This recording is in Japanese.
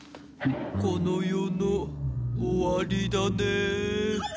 この世の終わりだね。